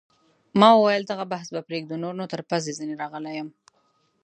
ما وویل: دغه بحث به پرېږدو، نور نو تر پزې ځیني راغلی یم.